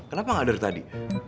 kenapa gak dari tadi